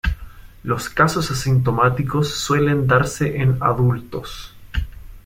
Los casos asintomáticos suelen darse en adultos.